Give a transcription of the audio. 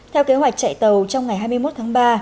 theo kế hoạch chạy tàu trong ngày hai mươi một tháng ba